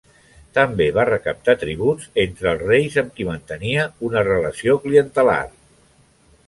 També va recaptar tributs entre els reis amb qui mantenia una relació clientelar.